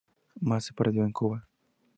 Más se perdió en Cuba